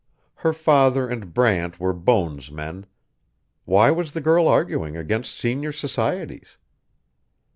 Her father and Brant were Bones men why was the girl arguing against senior societies?